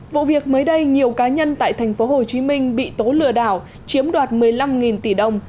vụ việc mới đây nhiều cá nhân tại thành phố hồ chí minh bị tố lừa đảo chiếm đoạt một mươi năm tỷ đồng